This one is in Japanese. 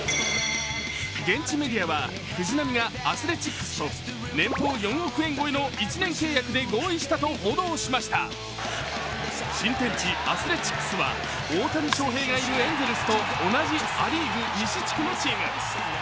現地メディアは、藤浪がアスレチックスと年俸４億円超えの１年契約で合意したと報道しました新天地・アスレチックスは大谷翔平がいるエンゼルスと同じア・リーグ西地区のチーム。